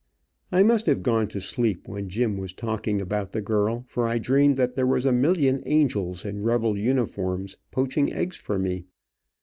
I must have gone to sleep when Jim was talking about the girl, for I dreamed that there was a million angels in rebel uniforms, poaching eggs for me.